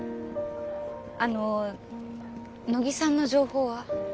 あの乃木さんの情報は？